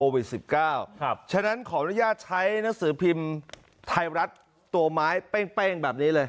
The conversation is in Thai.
โอเวียดสิบเก้าครับฉะนั้นขออนุญาตใช้หนังสือพิมพ์ไทยรัฐตัวไม้เป้งเป้งแบบนี้เลย